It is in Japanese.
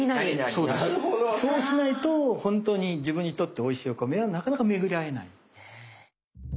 そうしないとほんとに自分にとっておいしいお米はなかなか巡り合えない。